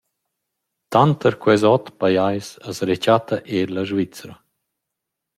Tanter quels ot pajais as rechatta eir la Svizra.